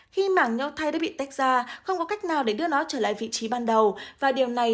khi mảng nhau thay đã bị tách ra không có cách nào để đưa nó trở lại vị trí ban đầu và điều này